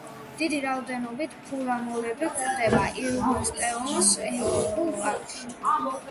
დიდი რაოდენობით ფუმაროლები გვხვდება იელოუსტოუნის ეროვნულ პარკში.